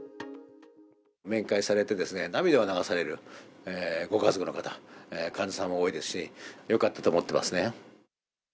面会されて涙を流されるご家族の方、患者さんも多いですし、よかったと思ってますね。